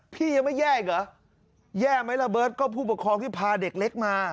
พี่ยังไม่แย่อีกเหรอแย่ไหมระเบิร์ตก็ผู้ปกครองที่พาเด็กเล็กมา